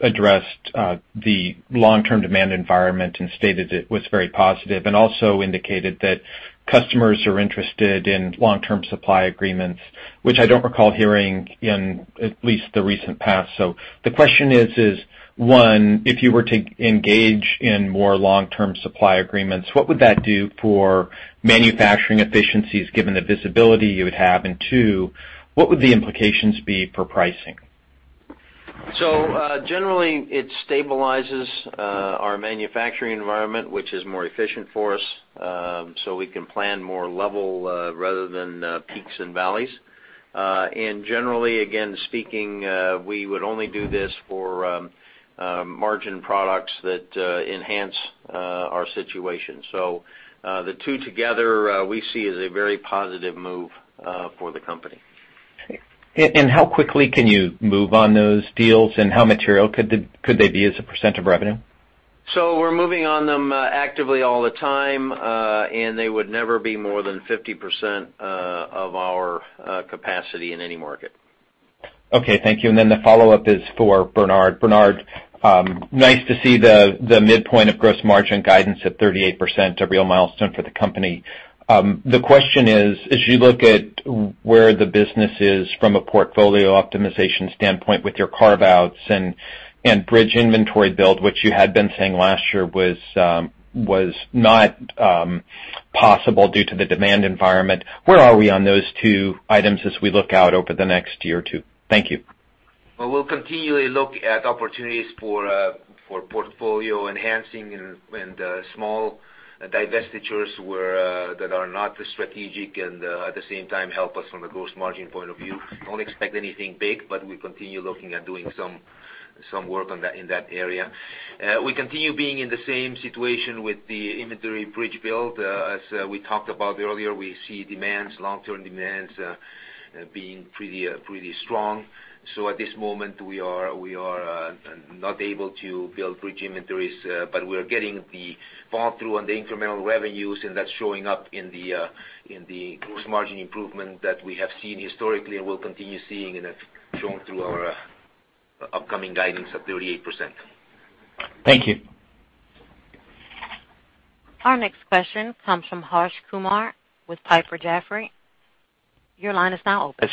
addressed the long-term demand environment and stated it was very positive, and also indicated that customers are interested in long-term supply agreements, which I don't recall hearing in at least the recent past. The question is: One, if you were to engage in more long-term supply agreements, what would that do for manufacturing efficiencies, given the visibility you would have? Two, what would the implications be for pricing? Generally, it stabilizes our manufacturing environment, which is more efficient for us, so we can plan more level rather than peaks and valleys. Generally, again, speaking, we would only do this for margin products that enhance our situation. The two together, we see as a very positive move for the company. How quickly can you move on those deals and how material could they be as a % of revenue? We're moving on them actively all the time, and they would never be more than 50% of our capacity in any market. Okay. Thank you. Then the follow-up is for Bernard. Bernard, nice to see the midpoint of gross margin guidance at 38%, a real milestone for the company. The question is: as you look at where the business is from a portfolio optimization standpoint with your carve-outs and bridge inventory build, which you had been saying last year was not possible due to the demand environment, where are we on those two items as we look out over the next year or two? Thank you. Well, we'll continually look at opportunities for portfolio enhancing and small divestitures that are not strategic and, at the same time, help us from a gross margin point of view. Don't expect anything big, but we continue looking at doing some work in that area. We continue being in the same situation with the inventory bridge build. As we talked about earlier, we see demands, long-term demands, being pretty strong. At this moment we are not able to build bridge inventories, but we are getting the fall-through on the incremental revenues, and that's showing up in the gross margin improvement that we have seen historically and will continue seeing, and it's shown through our upcoming guidance of 38%. Thank you. Our next question comes from Harsh Kumar with Piper Jaffray. Your line is now open.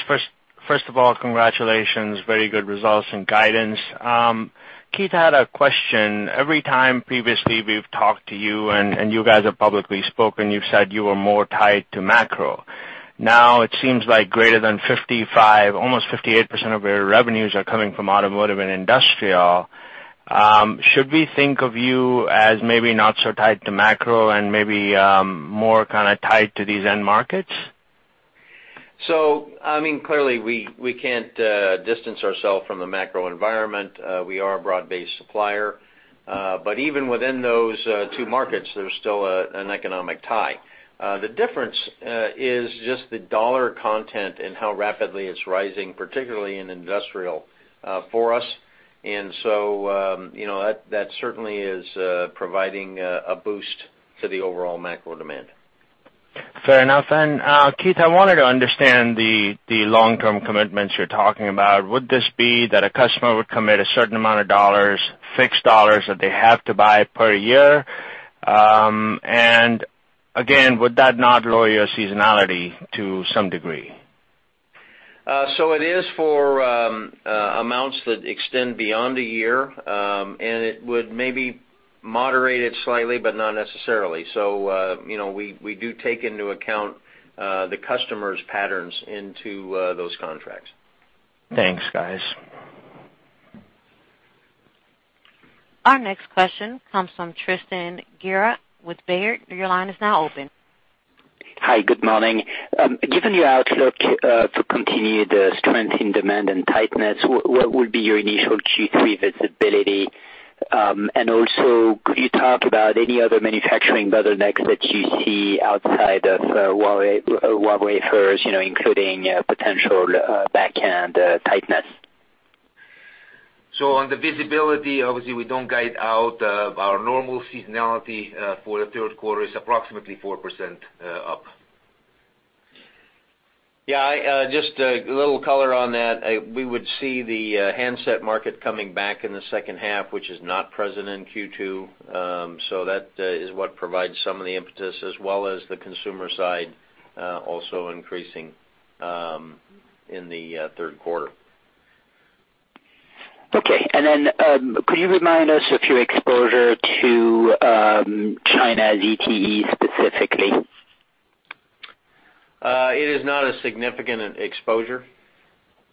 First of all, congratulations. Very good results and guidance. Keith, I had a question. Every time previously we've talked to you and you guys have publicly spoken, you've said you were more tied to macro. Now it seems like greater than 55%, almost 58% of your revenues are coming from automotive and industrial. Should we think of you as maybe not so tied to macro and maybe more kind of tied to these end markets? Clearly we can't distance ourselves from the macro environment. We are a broad-based supplier. Even within those two markets, there's still an economic tie. The difference is just the dollar content and how rapidly it's rising, particularly in industrial for us. That certainly is providing a boost to the overall macro demand. Fair enough. Keith, I wanted to understand the long-term commitments you're talking about. Would this be that a customer would commit a certain amount of dollars, fixed dollars that they have to buy per year? Again, would that not lower your seasonality to some degree? It is for amounts that extend beyond a year, it would maybe moderate it slightly, not necessarily. We do take into account the customer's patterns into those contracts. Thanks, guys. Our next question comes from Tristan Gerra with Baird. Your line is now open. Hi, good morning. Given the outlook to continue the strength in demand and tightness, what will be your initial Q3 visibility? Could you talk about any other manufacturing bottlenecks that you see outside of wafers, including potential back-end tightness? On the visibility, obviously, we don't guide out. Our normal seasonality for the third quarter is approximately 4% up. Yeah, just a little color on that. We would see the handset market coming back in the second half, which is not present in Q2. That is what provides some of the impetus as well as the consumer side also increasing in the third quarter. Okay. Could you remind us of your exposure to China's ZTE specifically? It is not a significant exposure.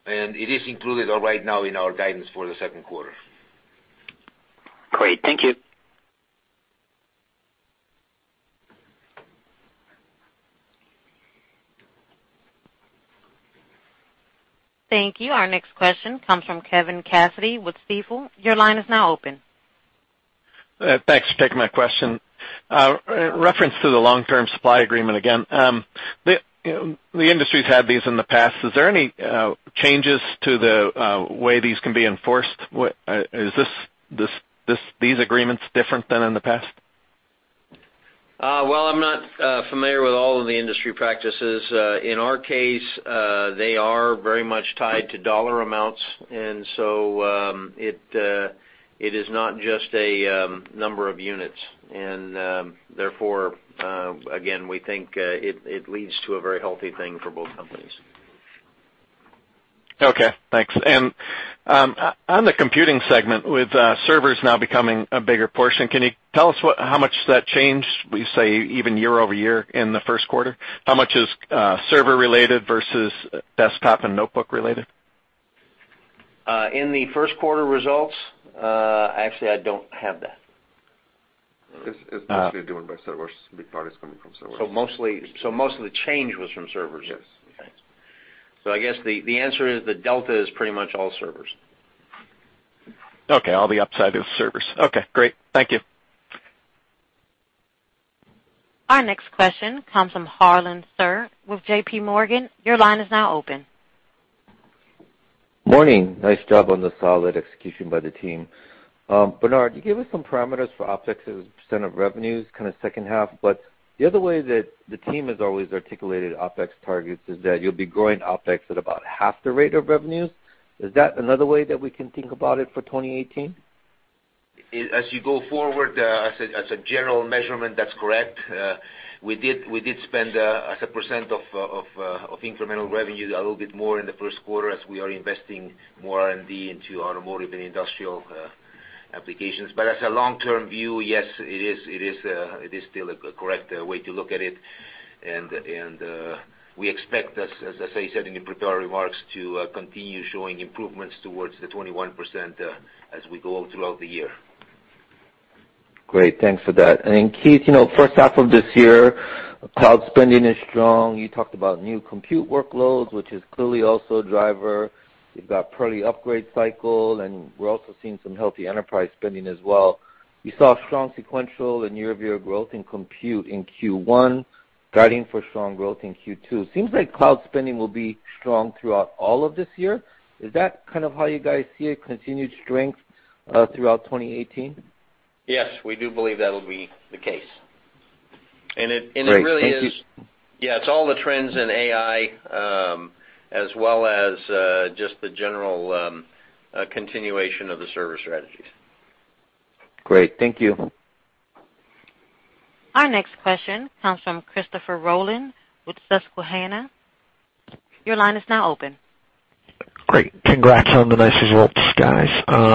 It is included right now in our guidance for the second quarter. Great. Thank you. Thank you. Our next question comes from Kevin Cassidy with Stifel. Your line is now open. Thanks for taking my question. Reference to the long-term supply agreement again. The industry's had these in the past. Is there any changes to the way these can be enforced? Is these agreements different than in the past? Well, I'm not familiar with all of the industry practices. In our case, they are very much tied to dollar amounts, it is not just a number of units. Again, we think it leads to a very healthy thing for both companies. Okay, thanks. On the computing segment, with servers now becoming a bigger portion, can you tell us how much that changed, we say, even year-over-year in the first quarter? How much is server-related versus desktop and notebook related? In the first quarter results, actually, I don't have that. It's mostly driven by servers. Big part is coming from servers. Mostly the change was from servers. Yes. Okay. I guess the answer is the delta is pretty much all servers. Okay. All the upside is servers. Okay, great. Thank you. Our next question comes from Harlan Sur with J.P. Morgan. Your line is now open. Morning. Nice job on the solid execution by the team. Bernard, can you give us some parameters for OpEx as a percent of revenues kind of second half. The other way that the team has always articulated OpEx targets is that you'll be growing OpEx at about half the rate of revenues. Is that another way that we can think about it for 2018? As you go forward, as a general measurement, that's correct. We did spend as a percent of incremental revenues a little bit more in the first quarter as we are investing more R&D into automotive and industrial applications. As a long-term view, yes, it is still a correct way to look at it, and we expect, as I said in the prepared remarks, to continue showing improvements towards the 21% as we go throughout the year. Great. Thanks for that. Then Keith, first half of this year, cloud spending is strong. You talked about new compute workloads, which is clearly also a driver. You've got early upgrade cycle, and we're also seeing some healthy enterprise spending as well. We saw strong sequential and year-over-year growth in compute in Q1, guiding for strong growth in Q2. Seems like cloud spending will be strong throughout all of this year. Is that kind of how you guys see it, continued strength throughout 2018? Yes, we do believe that'll be the case. Great. Thank you. Yeah, it's all the trends in AI, as well as just the general continuation of the server strategies. Great. Thank you. Our next question comes from Christopher Rolland with Susquehanna. Your line is now open. Great. Congrats on the nice results, guys.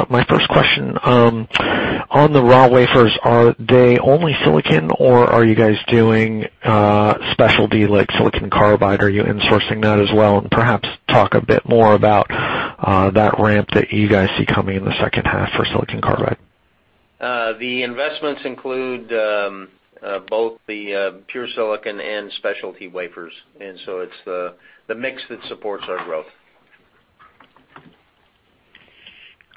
My first question, on the raw wafers, are they only silicon, or are you guys doing specialty like silicon carbide? Are you insourcing that as well? Perhaps talk a bit more about that ramp that you guys see coming in the second half for silicon carbide. The investments include both the pure silicon and specialty wafers, it's the mix that supports our growth.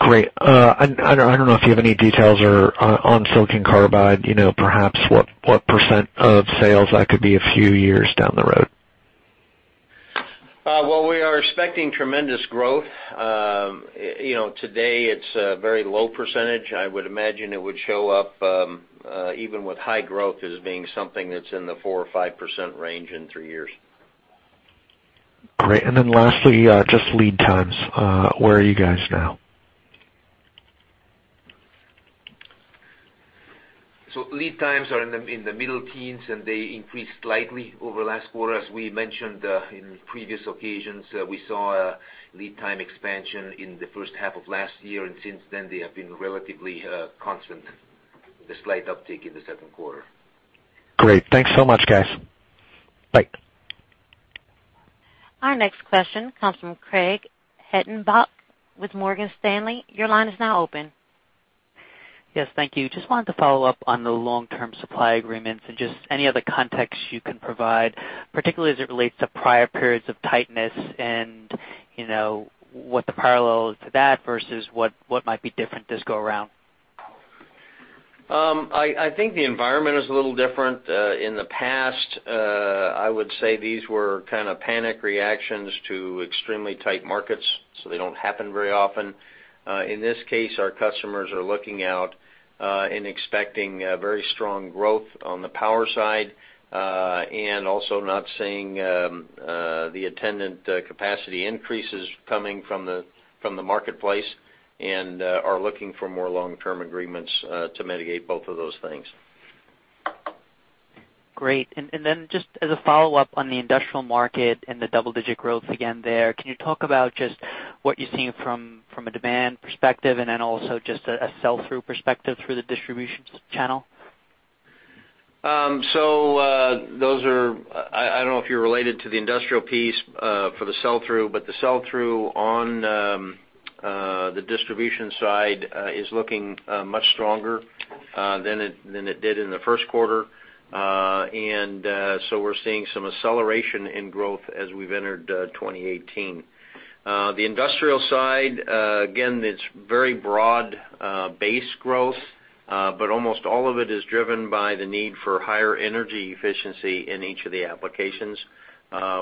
Great. I don't know if you have any details on silicon carbide, perhaps what % of sales that could be a few years down the road. We are expecting tremendous growth. Today, it's a very low percentage. I would imagine it would show up, even with high growth, as being something that's in the 4% or 5% range in three years. Great. Lastly, just lead times. Where are you guys now? Lead times are in the middle teens, and they increased slightly over last quarter. As we mentioned in previous occasions, we saw a lead time expansion in the first half of last year, and since then they have been relatively constant with a slight uptick in the second quarter. Great. Thanks so much, guys. Bye. Our next question comes from Craig Hettenbach with Morgan Stanley. Your line is now open. Yes, thank you. Just wanted to follow up on the long-term supply agreements and just any other context you can provide, particularly as it relates to prior periods of tightness and what the parallel is to that versus what might be different this go around. I think the environment is a little different. In the past, I would say these were kind of panic reactions to extremely tight markets, so they don't happen very often. In this case, our customers are looking out and expecting very strong growth on the power side, and also not seeing the attendant capacity increases coming from the marketplace and are looking for more long-term agreements to mitigate both of those things. Great. Just as a follow-up on the industrial market and the double-digit growth again there, can you talk about just what you're seeing from a demand perspective and then also just a sell-through perspective through the distribution channel? Those are-- I don't know if you relate it to the industrial piece for the sell-through, but the sell-through on the distribution side is looking much stronger than it did in the first quarter. We're seeing some acceleration in growth as we've entered 2018. The industrial side, again, it's very broad-based growth. Almost all of it is driven by the need for higher energy efficiency in each of the applications,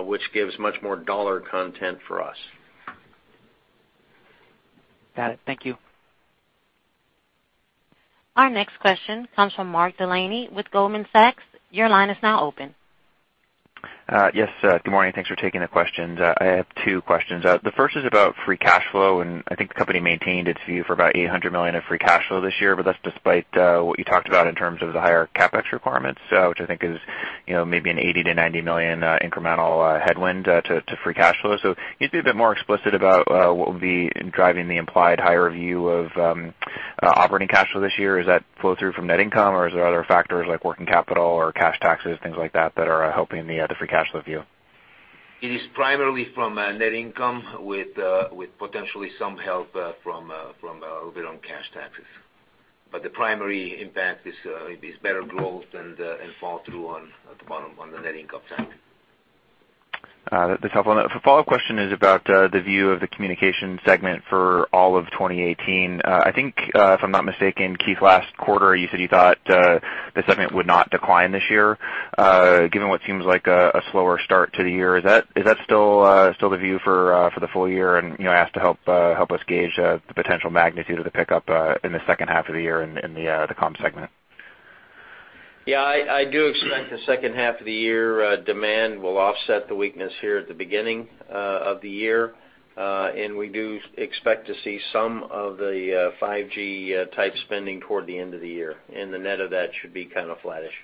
which gives much more dollar content for us. Got it. Thank you. Our next question comes from Mark Delaney with Goldman Sachs. Your line is now open. Yes. Good morning. Thanks for taking the questions. I have two questions. The first is about free cash flow, and I think the company maintained its view for about $800 million of free cash flow this year. That's despite what you talked about in terms of the higher CapEx requirements, which I think is maybe an $80 million-$90 million incremental headwind to free cash flow. Can you just be a bit more explicit about what would be driving the implied higher view of operating cash flow this year? Is that flow-through from net income, or is there other factors like working capital or cash taxes, things like that are helping the free cash flow view? It is primarily from net income with potentially some help from a little bit on cash taxes. The primary impact is better growth and fall through on the bottom on the net income side. That's helpful. A follow-up question is about the view of the communication segment for all of 2018. I think, if I'm not mistaken, Keith, last quarter, you said you thought the segment would not decline this year. Given what seems like a slower start to the year, is that still the view for the full year? I ask to help us gauge the potential magnitude of the pickup in the second half of the year in the comm segment. Yeah, I do expect the second half of the year demand will offset the weakness here at the beginning of the year. We do expect to see some of the 5G-type spending toward the end of the year. The net of that should be kind of flattish.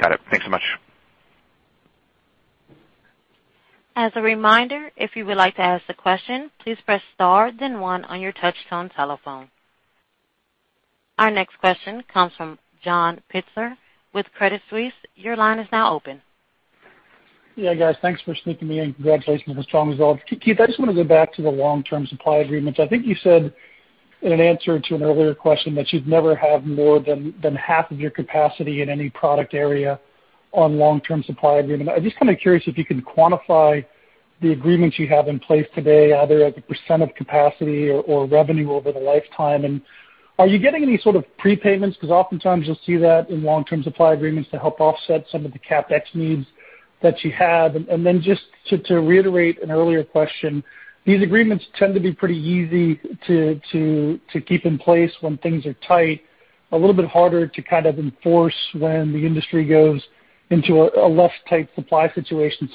Got it. Thanks so much. As a reminder, if you would like to ask a question, please press star, then one on your touchtone telephone. Our next question comes from John Pitzer with Credit Suisse. Your line is now open. Yeah, guys, thanks for sneaking me in. Congratulations on the strong results. Keith, I just want to go back to the long-term supply agreements. I think you said in an answer to an earlier question that you'd never have more than half of your capacity in any product area on long-term supply agreement. I'm just kind of curious if you can quantify the agreements you have in place today, either as a % of capacity or revenue over the lifetime. Are you getting any sort of prepayments? Because oftentimes you'll see that in long-term supply agreements to help offset some of the CapEx needs that you have. Just to reiterate an earlier question, these agreements tend to be pretty easy to keep in place when things are tight, a little bit harder to kind of enforce when the industry goes into a less tight supply situation.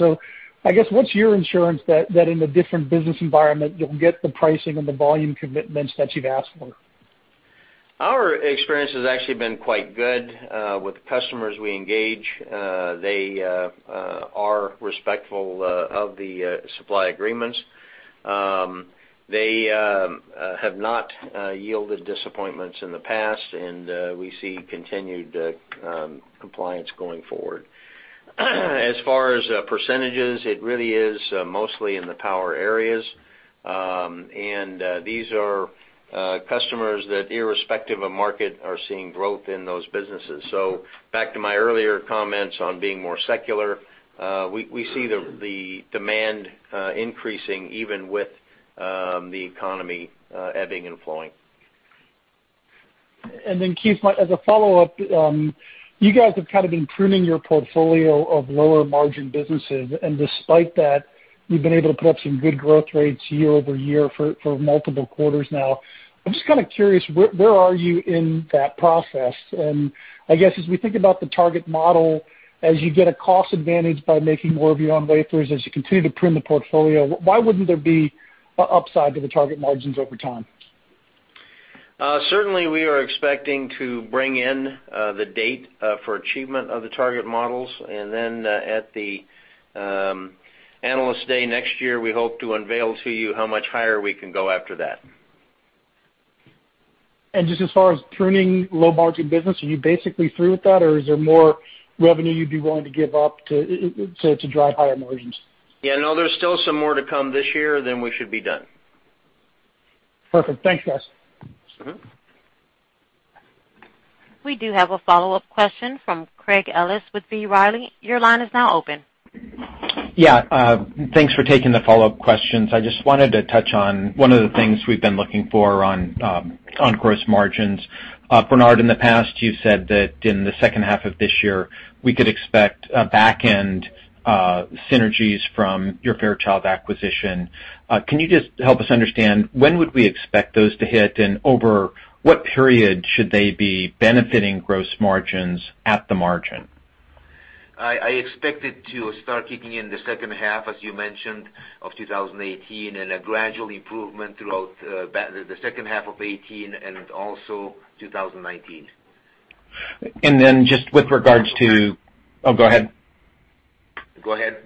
I guess what's your insurance that in a different business environment, you'll get the pricing and the volume commitments that you've asked for? Our experience has actually been quite good. With the customers we engage, they are respectful of the supply agreements. They have not yielded disappointments in the past. We see continued compliance going forward. As far as percentages, it really is mostly in the power areas. These are customers that, irrespective of market, are seeing growth in those businesses. Back to my earlier comments on being more secular, we see the demand increasing even with the economy ebbing and flowing. Keith, as a follow-up, you guys have kind of been pruning your portfolio of lower-margin businesses, and despite that, you've been able to put up some good growth rates year-over-year for multiple quarters now. I'm just kind of curious, where are you in that process? I guess as we think about the target model, as you get a cost advantage by making more of your own wafers, as you continue to prune the portfolio, why wouldn't there be an upside to the target margins over time? Certainly, we are expecting to bring in the date for achievement of the target models. At the Analyst Day next year, we hope to unveil to you how much higher we can go after that. Just as far as pruning low-margin business, are you basically through with that? Or is there more revenue you'd be willing to give up to drive higher margins? No, there's still some more to come this year, then we should be done. Perfect. Thanks, guys. We do have a follow-up question from Craig Ellis with B. Riley. Your line is now open. Thanks for taking the follow-up questions. I just wanted to touch on one of the things we've been looking for on gross margins. Bernard, in the past, you've said that in the second half of this year, we could expect back-end synergies from your Fairchild acquisition. Can you just help us understand when would we expect those to hit? And over what period should they be benefiting gross margins at the margin? I expect it to start kicking in the second half, as you mentioned, of 2018 and a gradual improvement throughout the second half of 2018 and also 2019. Just with regards to. Oh, go ahead. Go ahead.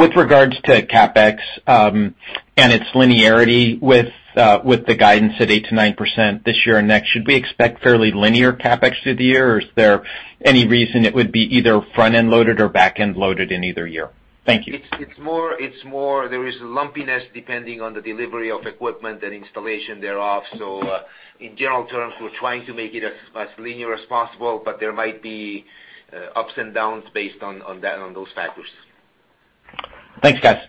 With regards to CapEx and its linearity with the guidance at 8%-9% this year and next, should we expect fairly linear CapEx through the year, or is there any reason it would be either front-end loaded or back-end loaded in either year? Thank you. It's more there is lumpiness depending on the delivery of equipment and installation thereof. In general terms, we're trying to make it as linear as possible, but there might be ups and downs based on those factors. Thanks, guys.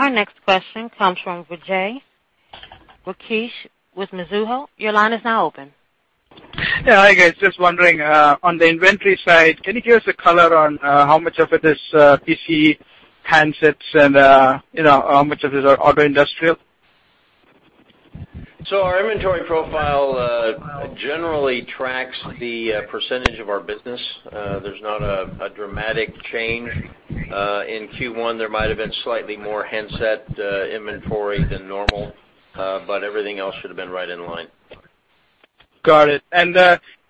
Our next question comes from Vijay Rakesh with Mizuho. Your line is now open. Yeah. Hi, guys. Just wondering, on the inventory side, can you give us a color on how much of it is PC handsets and how much of it is auto industrial? Our inventory profile generally tracks the percentage of our business. There's not a dramatic change. In Q1, there might have been slightly more handset inventory than normal. Everything else should have been right in line. Got it.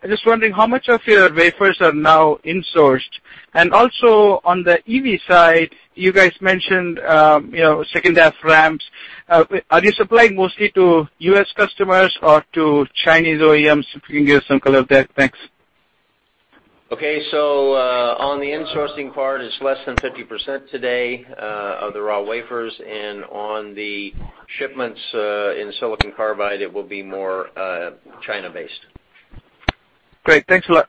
Just wondering how much of your wafers are now insourced. Also on the EV side, you guys mentioned second half ramps. Are you supplying mostly to U.S. customers or to Chinese OEMs? If you can give some color on that. Thanks. Okay. On the insourcing part, it's less than 50% today of the raw wafers. On the shipments in silicon carbide, it will be more China-based. Great. Thanks a lot.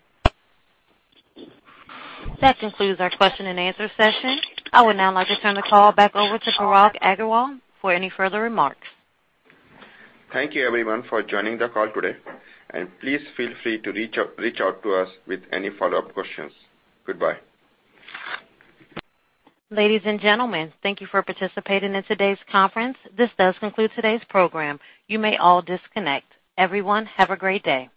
That concludes our question and answer session. I would now like to turn the call back over to Parag Agarwal for any further remarks. Thank you everyone for joining the call today, and please feel free to reach out to us with any follow-up questions. Goodbye. Ladies and gentlemen, thank you for participating in today's conference. This does conclude today's program. You may all disconnect. Everyone, have a great day.